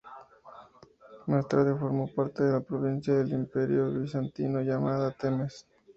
Más tarde formó parte de la provincia del Imperio Bizantino llamada Themes.